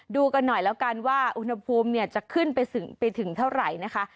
ดูกันหน่อยแล้วกันว่าอุณหภูมิจะขึ้นไปถึงเท่าไหร่นะคะ